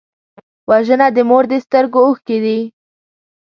وژنه د مور د سترګو اوښکې دي